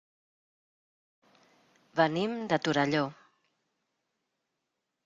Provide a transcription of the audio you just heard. Venim de Torelló.